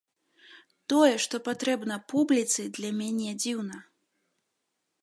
Тое, што патрэбна публіцы, для мяне дзіўна.